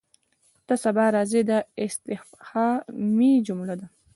ته سبا راځې؟ دا استفهامي جمله ده.